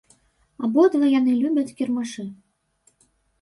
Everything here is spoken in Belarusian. Абодва яны любяць кірмашы.